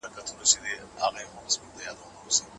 حقایق تل د وخت په تېریدو څرګندیږي.